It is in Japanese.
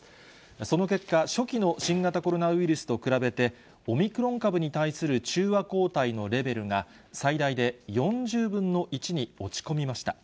その結果、初期の新型コロナウイルスと比べて、オミクロン株に対する中和抗体のレベルが最大で４０分の１に落ち込みました。